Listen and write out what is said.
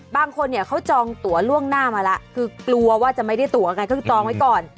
บางคนเนี่ยเขาจองตัวล่วงหน้ามาแล้วคือกลัวว่าจะไม่ได้ตัวไงก็คือจองไว้ก่อน